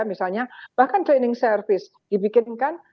misalnya bahkan training service dibikinkan